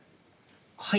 はい。